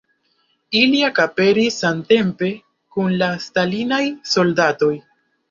Ili ekaperis samtempe kun la stalinaj soldatoj.